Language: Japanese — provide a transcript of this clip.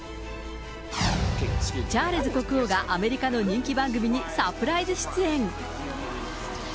チャールズ国王がアメリカの人気番組にサプライズ出演。